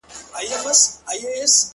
• وړونه مي ټول د ژوند پر بام ناست دي،